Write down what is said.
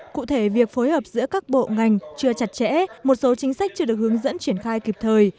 cụ thể việc phối hợp giữa các bộ ngành chưa chặt chẽ một số chính sách chưa được hướng dẫn triển khai kịp thời